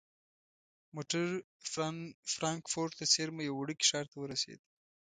موټر فرانکفورت ته څیرمه یوه وړوکي ښار ته ورسید.